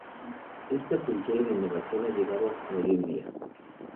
Esta cultura de la innovación ha llegado hasta hoy en día.